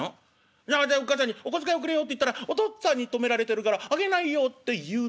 じゃああたいおっ母さんに『お小遣いおくれよ』って言ったら『お父っつぁんに止められてるからあげないよ』って言うと思ってるんだ。